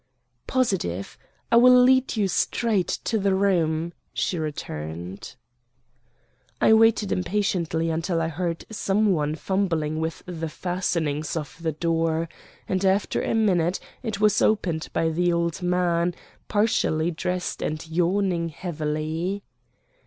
"Positive. I will lead you straight to the room," she returned. I waited impatiently until I heard some one fumbling with the fastenings of the door, and after a minute it was opened by the old man, partially dressed and yawning heavily.